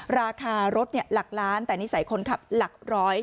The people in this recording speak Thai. ราคารถหลักล้านแต่นิสัยคนขับหลักร้อย